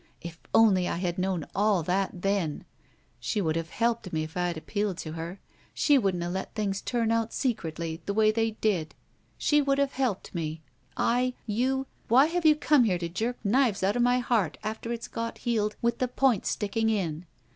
If only I had known all that then! She would have helped me if I had appealed to her. She wouldn't have let tilings turn out secretly — ^the way they did. She would have helped me. I — You — Why have you come here to jerk knives out of my heart after it's got healed with the points sticking in?